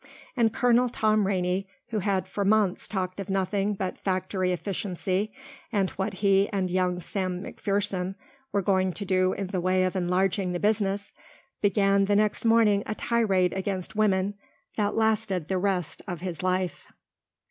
And Colonel Tom Rainey, who had for months talked of nothing but factory efficiency and of what he and young Sam McPherson were going to do in the way of enlarging the business, began the next morning a tirade against women that lasted the rest of his life.